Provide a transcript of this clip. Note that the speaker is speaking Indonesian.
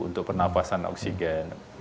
untuk pernafasan oksigen